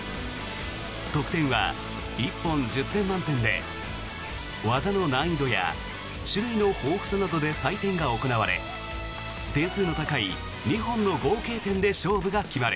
得点は、１本１０点満点で技の難易度や種類の豊富さなどで採点が行われ点数の高い２本の合計点で勝負が決まる。